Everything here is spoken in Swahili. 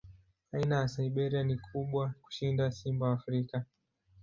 Aina ya Siberia ni kubwa kushinda simba wa Afrika.